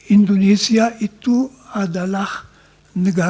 indonesia itu adalah negara yang berpengaruh